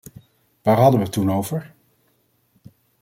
Waar hadden we het toen over?